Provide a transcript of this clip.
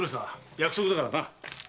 約束だからな。